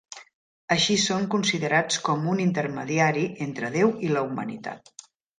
Així són considerats com un intermediari entre Déu i la humanitat.